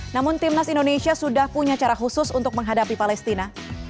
namun timnas indonesia sudah punya cara khusus untuk menghadapi palestina